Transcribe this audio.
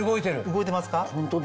動いてますか？